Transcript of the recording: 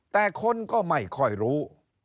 แต่คนก็ไม่ค่อยรู้